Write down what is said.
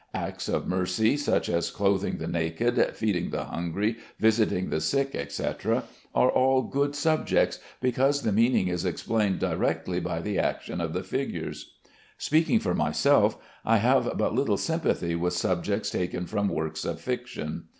Acts of mercy, such as clothing the naked, feeding the hungry, visiting the sick, etc., are all good subjects, because the meaning is explained directly by the action of the figures. Speaking for myself, I have but little sympathy with subjects taken from works of fiction.